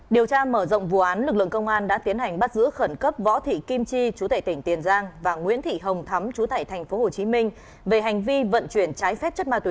điều tra mở rộng vụ án lực lượng công an đã tiến hành bắt giữ khẩn cấp võ thị kim chi chú tệ tỉnh tiền giang và nguyễn thị hồng thắm chú tại tp hcm về hành vi vận chuyển trái phép chất ma túy